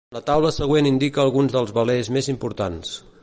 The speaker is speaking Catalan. La taula següent indica alguns dels velers més importants.